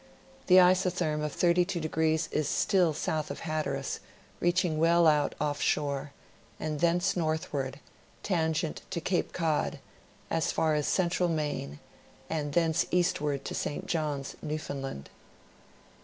The isotherm of 32° is still south of Hatteras, reaching well out off shore, and thence northward, tangent to Cape Cod, as far as central Maine, and thence eastward to St. Johns, Newfoundland.